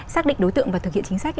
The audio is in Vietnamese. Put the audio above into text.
xác định đối tượng và thực hiện chính sách